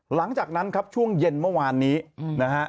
หลังจากนั้นครับช่วงเย็นเมื่อวานนี้นะฮะ